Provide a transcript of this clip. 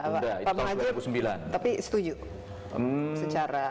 pak muhajir tapi setuju secara